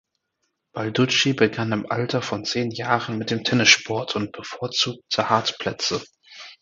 Balducci begann im Alter von zehn Jahren mit dem Tennissport und bevorzugte Hartplätze.